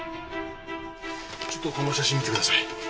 ちょっとこの写真見てください。